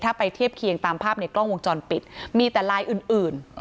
ถ้าไปเทียบเคียงตามภาพในกล้องวงจรปิดมีแต่ลายอื่น